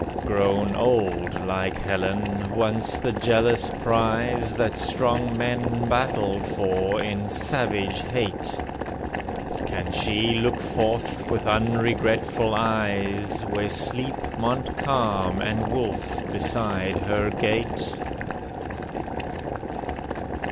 Grown old, like Helen, once the jealous prize That strong men battled for in savage hate, Can she look forth with unregretful eyes, Where sleep Montcalm and Wolfe beside her gate?